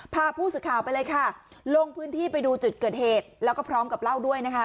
พาผู้สื่อข่าวไปเลยค่ะลงพื้นที่ไปดูจุดเกิดเหตุแล้วก็พร้อมกับเล่าด้วยนะคะ